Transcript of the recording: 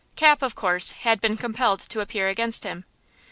Cap, of course, had been compelled to appear against him.